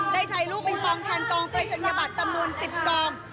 ได้ใช้ลูกปิงปองแทนกองปรายศนียบัตรจำนวน๑๐กอง